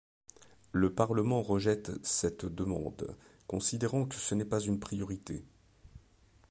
Le Parlement rejette cette demande, considérant que ce n'est pas une priorité.